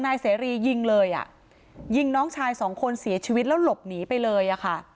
นายเสรียิงเลยอ่ะยิงน้องชายสองคนเสียชีวิตแล้วหลบหนีไปเลยอะค่ะ